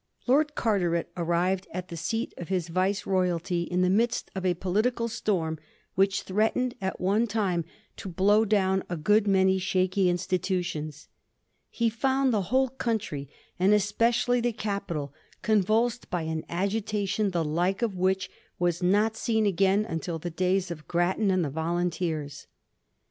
Lord Carteret arrived at the seat of his Vice royalty in the midst of a political storm which threatened at one time to blow down a good many shaky institutions. He found the whole country, and especially the capital, convulsed by an agitation the like of which was not seen again until the days of Grattan and the Volunteers.